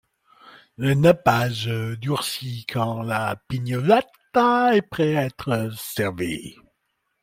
Le nappage durcit quand le pignolata est prête à être servie.